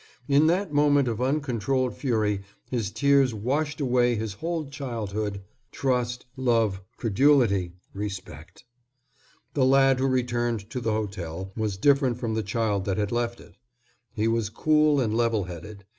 In that moment of uncontrolled fury his tears washed away his whole childhood, trust, love, credulity, respect. The lad who returned to the hotel was different from the child that had left it. He was cool and level headed.